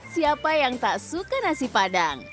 siapa yang tak suka nasi padang